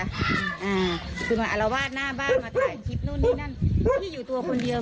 อ่าคือมาอารวาสหน้าบ้านมาถ่ายคลิปนู่นนี่นั่นพี่อยู่ตัวคนเดียว